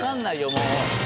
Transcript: もう！